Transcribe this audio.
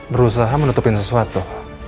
berusaha menutupin sesuatu